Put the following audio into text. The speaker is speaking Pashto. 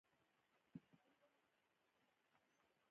د سیندونو ککړتیا د انسانانو او چاپېریال لپاره جدي ګواښ دی.